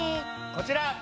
こちら！